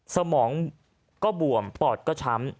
สมองก็บวมปอดก็ช้ำ